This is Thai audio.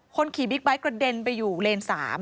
ขี่บิ๊กไบท์กระเด็นไปอยู่เลน๓